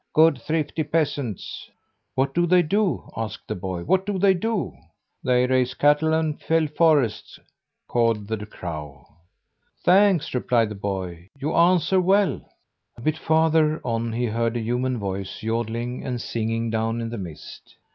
"Good, thrifty peasants." "What do they do?" asked the boy. "What do they do?" "They raise cattle and fell forests," cawed the crow. "Thanks," replied the boy. "You answer well." A bit farther on he heard a human voice yodeling and singing down in the mist.